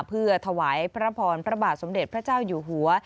เพื่อถวายพระพรพระบาทสมเด็จพระเจ้าอยู่หัว